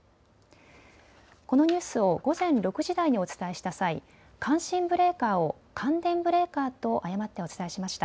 このニュースを午前６時台にお伝えした際、感震ブレーカーを感電ブレーカーと誤ってお伝えしました。